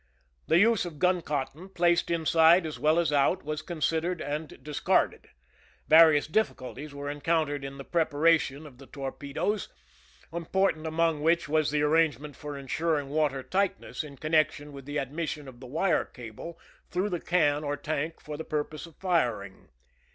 The use of guncotton, placed inside as well as out, was considered and discarded. Various difficulties were encountered in the preparation of the torpedoes, important among which was the arrangement for insuring water tightness in connection with the admission of the wire cable through the can or tank for the purpose of firing.